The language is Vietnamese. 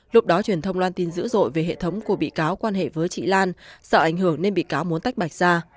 lúc đó truyền thông loan tin dữ dội về hệ thống của bị cáo quan hệ với chị lan sợ ảnh hưởng nên bị cáo muốn tách bạch ra